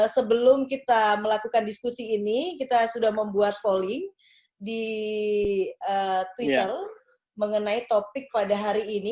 sebelum kita melakukan diskusi ini kita sudah membuat polling di twitter mengenai topik pada hari ini